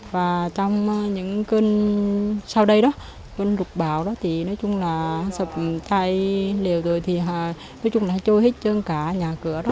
và trong những cơn sau đây đó cơn lục bão đó thì nói chung là sập thay liều rồi thì nói chung là trôi hết chân cả nhà cửa đó